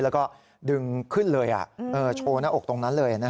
แล้วก็ดึงขึ้นเลยโชว์หน้าอกตรงนั้นเลย